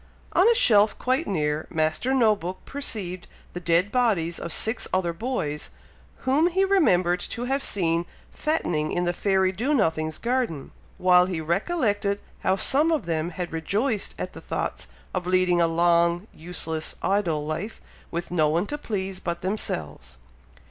On a shelf quite near, Master No book perceived the dead bodies of six other boys, whom he remembered to have seen fattening in the fairy Do nothing's garden, while he recollected how some of them had rejoiced at the thoughts of leading a long, useless, idle life, with no one to please but themselves.